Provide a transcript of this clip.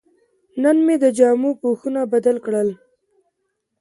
نن مې د جامو پوښونه بدل کړل.